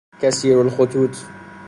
کثیر الخطوط